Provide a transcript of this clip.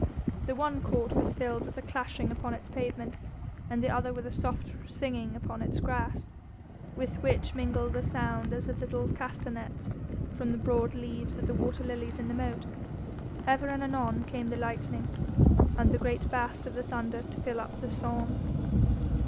The one court was filled with a clashing upon its pavement, and the other with a soft singing upon its grass, with which mingled a sound as of little castanets from the broad leaves of the water lilies in the moat. Ever and anon came the lightning, and the great bass of the thunder to fill up the psalm.